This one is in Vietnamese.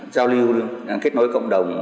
giao lưu kết nối cộng đồng